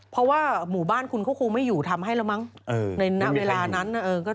เพราะว่าหมู่บ้านคุณเขาคงไม่อยู่ทำให้แล้วมั้งในเวลานั้นนะ